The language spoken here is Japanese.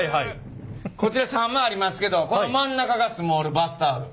こちら３枚ありますけどこの真ん中がスモールバスタオル。